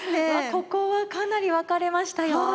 ここはかなり分かれましたよ。